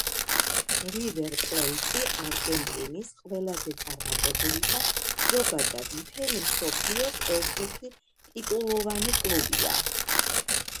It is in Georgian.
რივერ პლეიტი არგენტინის ყველაზე წარმატებული და ზოგადად მთელი მსოფლიოს ერთ-ერთი ტიტულოვანი კლუბია.